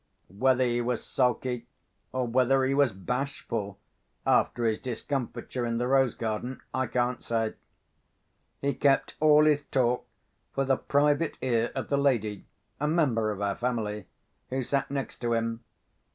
Whether he was sulky, or whether he was bashful, after his discomfiture in the rose garden, I can't say. He kept all his talk for the private ear of the lady (a member of our family) who sat next to him.